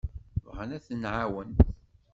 Bɣan ad ten-nɛawen.